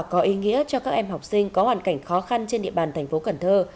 có ý nghĩa cho các em học sinh có hoàn cảnh khó khăn trên địa bàn thành phố cần thơ